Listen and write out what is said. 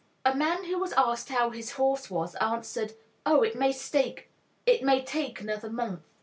A man who was asked how his horse was, answered, "Oh, it may stake it may take another month."